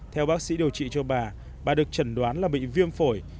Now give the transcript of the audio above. theo bác sĩ điều trị cho bà bà được chẩn đoán là bị viêm phổi